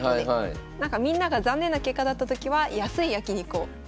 なんかみんなが残念な結果だった時は安い焼き肉を召し上がられる。